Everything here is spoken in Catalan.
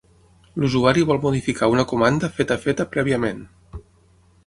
L'usuari vol modificar una comanda feta feta prèviament.